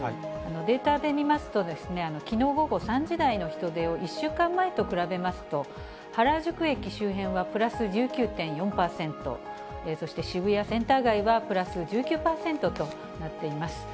データで見ますと、きのう午後３時台の人出を１週間前と比べますと、原宿駅周辺は＋１９．４％、そして渋谷センター街は＋１９％となっています。